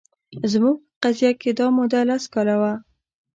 زموږ په قضیه کې دا موده لس کاله وه